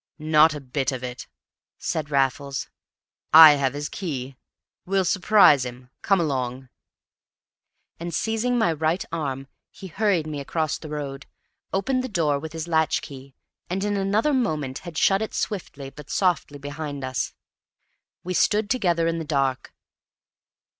"Not a bit of it," said Raffles. "I have his key. We'll surprise him. Come along." And seizing my right arm, he hurried me across the road, opened the door with his latch key, and in another moment had shut it swiftly but softly behind us. We stood together in the dark.